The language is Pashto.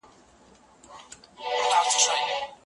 چې اوښکې پاکې کړو.